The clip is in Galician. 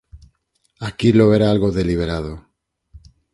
Aquilo era algo deliberado.